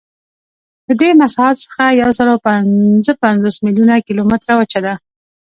له دې مساحت څخه یوسلاوهپینځهپنځوس میلیونه کیلومتره وچه ده.